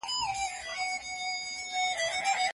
ماته ځېرسي اې! جانانه